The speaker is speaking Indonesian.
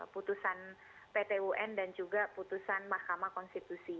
putusan pt un dan juga putusan mahkamah konstitusi